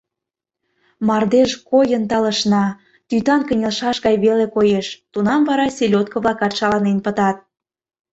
Мардеж койын талышна — тӱтан кынелшаш гай веле коеш, тунам вара селёдко-влакат шаланен пытат.